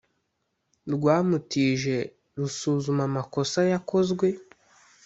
rwamutije rusuzuma amakosa yakozwe